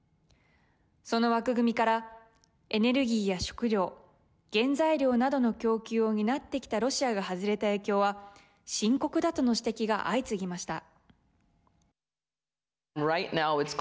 その枠組みからエネルギーや食料原材料などの供給を担ってきたロシアが外れた影響は深刻だとの指摘が相次ぎました。